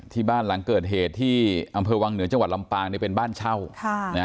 ที่บ้านหลังเกิดเหตุที่อำเภอวังเหนือจังหวัดลำปางเนี่ยเป็นบ้านเช่า